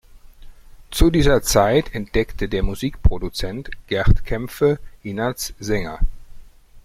Zu dieser Zeit entdeckte der Musikproduzent Gerd Kämpfe ihn als Sänger.